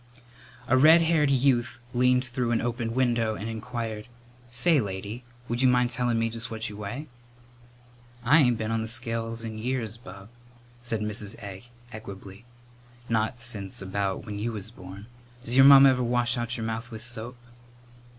A red haired youth leaned through an open window and inquired, "Say, lady, would you mind tellin' me just what you weigh?" "I ain't been on the scales in years, bub," said Mrs. Egg equably; "not since about when you was born. Does your mamma ever wash out your mouth with soap?"